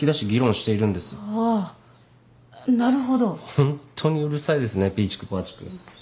ホントにうるさいですねピーチクパーチク。